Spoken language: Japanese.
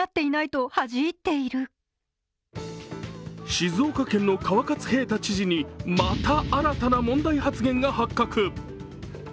静岡県の川勝平太知事に、また新たな問題発言が発覚。